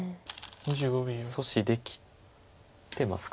阻止できてますか？